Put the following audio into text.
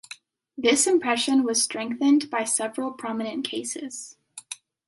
This impression was strengthened by several prominent cases.